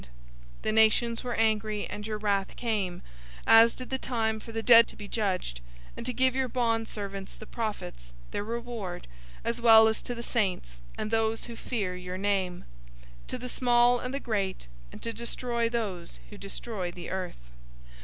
011:018 The nations were angry, and your wrath came, as did the time for the dead to be judged, and to give your bondservants the prophets, their reward, as well as to the saints, and those who fear your name, to the small and the great; and to destroy those who destroy the earth."